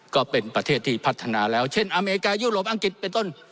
ก็เป็นประเทศที่พัฒนาแล้วเช่นอเมริกายุโรปอังกฤษเป็นต้น